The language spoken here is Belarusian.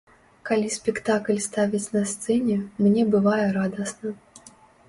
Калі спектакль ставяць на сцэне, мне бывае радасна.